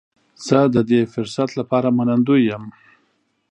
زه د دې فرصت لپاره منندوی یم.